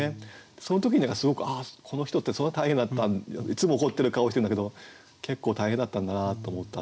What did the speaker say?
その時にすごくああこの人ってそんな大変だったいつも怒ってる顔してんだけど結構大変だったんだなと思ったっていうね